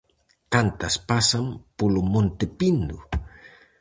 Cantas pasan polo Monte Pindo?